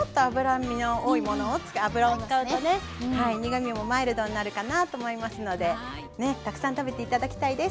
油を使うとね苦みもマイルドになるかなと思いますのでたくさん食べて頂きたいです。